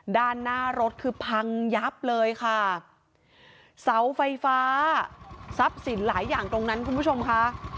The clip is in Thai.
ด้านหน้ารถคือพังยับเลยค่ะเสาไฟฟ้าทรัพย์สินหลายอย่างตรงนั้นคุณผู้ชมค่ะ